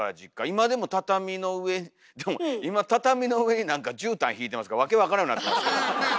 今でも畳の上でも今畳の上になんかじゅうたんひいてますから訳分からんようなってますけども。